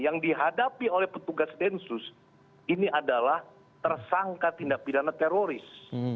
yang dihadapi oleh petugas densus ini adalah tersangka tindak pidana teroris